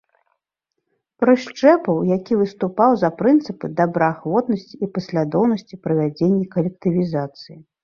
Прышчэпаў, які выступаў за прынцыпы добраахвотнасці і паслядоўнасці ў правядзенні калектывізацыі.